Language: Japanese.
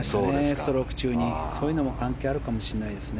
ストローク中にそういうのも関係あるかもしれないですね。